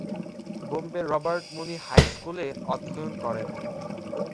বোম্বের Robert Money high স্কুলে অধ্যয়ন করেন।